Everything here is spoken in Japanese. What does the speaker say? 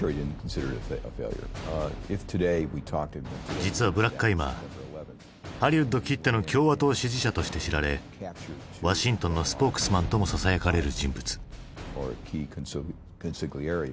実はブラッカイマーハリウッドきっての共和党支持者として知られワシントンのスポークスマンともささやかれる人物。